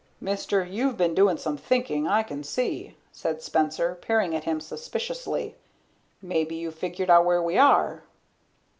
"Mister, you've been doing some thinkin', I can see," said Spencer, peering at him suspiciously. "Maybe you've figured out where we are."